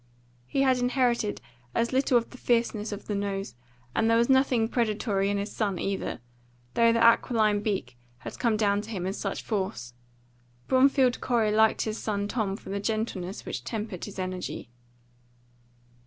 He had inherited as little of the fierceness as of the nose, and there was nothing predatory in his son either, though the aquiline beak had come down to him in such force. Bromfield Corey liked his son Tom for the gentleness which tempered his energy.